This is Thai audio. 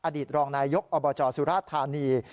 อดีตรองนายยกอบจสุราชธานี